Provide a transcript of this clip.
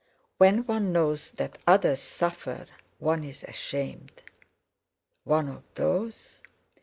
When one knows that others suffer, one's ashamed." "One of _those?